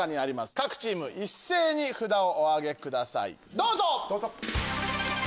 各チーム一斉に札をお挙げくださいどうぞ！